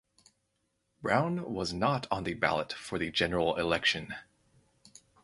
Brown was not on the ballot for the general election.